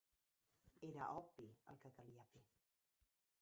Era obvi el que calia fer.